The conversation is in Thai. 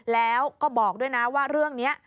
แล้วก็บอกด้วยนะว่าเรื่องนี้